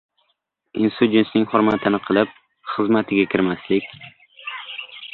Insu jinsning hurmatini qilib, xizmatiga kirmaslik, —